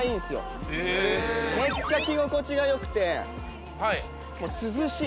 めっちゃ着心地が良くてもう涼しい。